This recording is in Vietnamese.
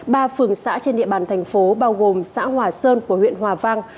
ba phường xã trên địa bàn thành phố bao gồm xã hòa sơn của huyện hòa vang